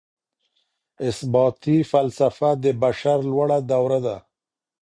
اثباتي فلسفه د بشر لوړه دوره ده.